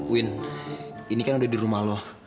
winn ini kan udah di rumah lo